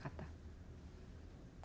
kalau pakai dua